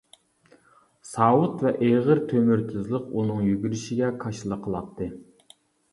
ساۋۇت ۋە ئېغىر تۆمۈر تىزلىق ئۇنىڭ يۈگۈرۈشىگە كاشىلا قىلاتتى.